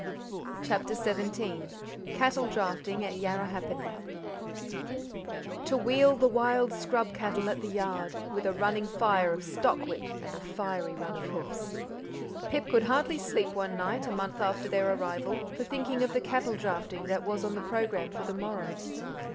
CHAPTER XVII Cattle Drafting at Yarrahappini "To wheel the wild scrub cattle at the yard With a running fire of stockwhip and a fiery run of hoofs." Pip could hardly sleep one night, a month after their arrival, for thinking of the cattle drafting that was on the programme for the morrow.